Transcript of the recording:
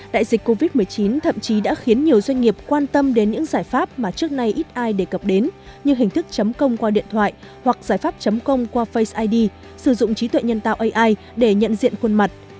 đại dịch covid một mươi chín thậm chí đã khiến nhiều doanh nghiệp quan tâm đến những giải pháp mà trước nay ít ai đề cập đến như hình thức chấm công qua điện thoại hoặc giải pháp chấm công qua face id sử dụng trí tuệ nhân tạo ai để nhận diện khuôn mặt